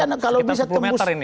ini kan kalau bisa tembus